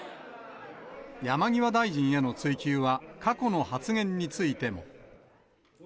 山際大臣への追及は過去の発言についても。